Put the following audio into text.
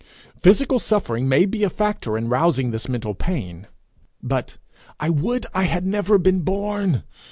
Physical suffering may be a factor in rousing this mental pain; but 'I would I had never been born!'